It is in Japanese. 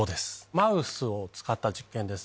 マウスを使った実験です。